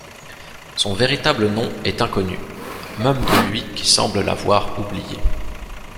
Son véritable nom est inconnu, même de lui qui semble l'avoir oublié.